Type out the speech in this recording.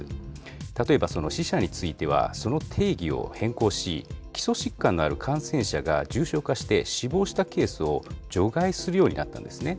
例えば死者については、その定義を変更し、基礎疾患のある感染者が重症化して死亡したケースを除外するようになったんですね。